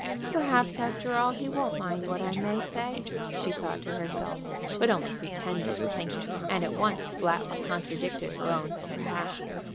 "Perhaps, after all, he won't mind what I may say," she thought to herself; but only pretended to think it, and at once flatly contradicted her own "perhaps."